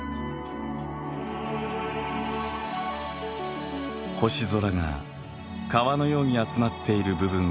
星空が川のように集まっている部分があります。